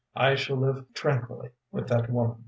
I shall live tranquilly with that woman.'